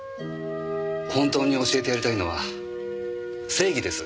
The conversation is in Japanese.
本当に教えてやりたいのは正義です。